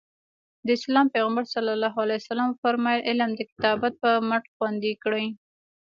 د اسلام پیغمبر ص وفرمایل علم د کتابت په مټ خوندي کړئ.